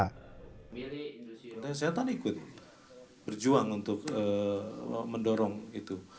kementerian kesehatan ikut berjuang untuk mendorong itu